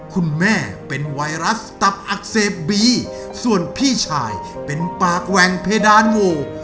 คุณแม่เป็นไวรัสตับอักเสบบีส่วนพี่ชายเป็นปากแหว่งเพดานโว